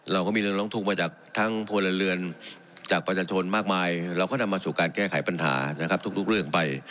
เราก็มีเรื่องร้องทุกข์มาจากทั้งพลเรือนจากประชาชนมากมายเราก็นำมาสู่การแก้ไขปัญหานะครับทุกเรื่องไป